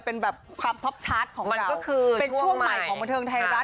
เป็นแบบความท็อปชาร์จของเราก็คือเป็นช่วงใหม่ของบันเทิงไทยรัฐ